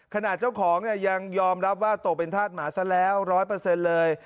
ขณะเจ้าของยังยอมรับว่าโตเป็นธาตุหมาซะแล้ว๑๐๐เลย